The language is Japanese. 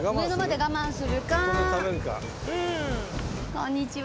こんにちは。